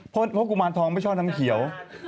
เพราะกุมารทองไม่ชอบน้ำเขียว